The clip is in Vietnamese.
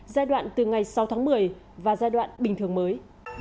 giai đoạn từ ngày sáu tháng một mươi và giai đoạn bình thường mới